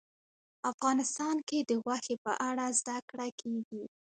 افغانستان کې د غوښې په اړه زده کړه کېږي.